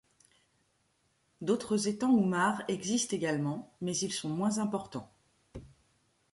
D'autres étangs ou mares existent également, mais ils sont moins importants.